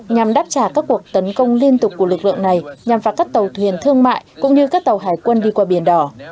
nhằm đáp trả các cuộc tấn công liên tục của lực lượng này nhằm phạt các tàu thuyền thương mại cũng như các tàu hải quân đi qua biển đỏ